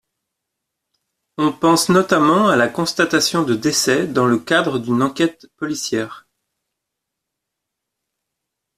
On pense notamment à la constatation de décès dans le cadre d’une enquête policière.